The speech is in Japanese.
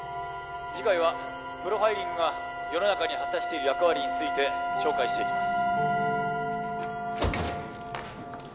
次回はプロファイリングが世の中に果たしている役割について紹介していきます。